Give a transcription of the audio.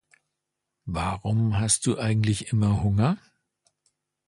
Warum hast du eigentlich immer Hunger?